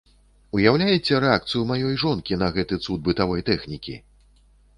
Уяўляеце рэакцыю маёй жонкі на гэты цуд бытавой тэхнікі!